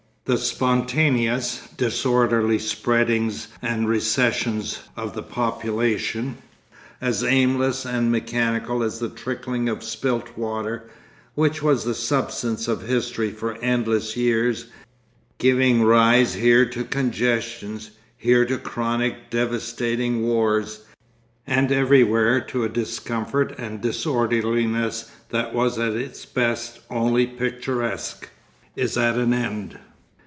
The spontaneous, disorderly spreadings and recessions of populations, as aimless and mechanical as the trickling of spilt water, which was the substance of history for endless years, giving rise here to congestions, here to chronic devastating wars, and everywhere to a discomfort and disorderliness that was at its best only picturesque, is at an end.